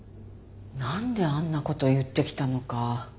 なんであんな事言ってきたのか。